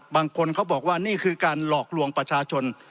บางคนเขาบอกว่านี่คือการหลอกลวงประชาชน